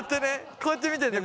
こうやって見てんだよ。